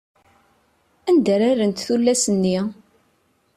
Anda ara rrent tullas-nni?